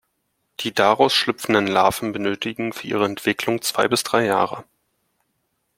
Die daraus schlüpfenden Larven benötigen für ihre Entwicklung zwei bis drei Jahre.